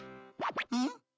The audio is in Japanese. ん？